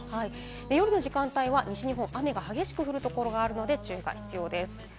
夜の時間帯は西日本、雨が激しく降る所があるので注意が必要です。